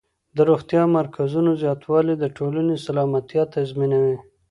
د روغتیايي مرکزونو زیاتوالی د ټولنې سلامتیا تضمینوي.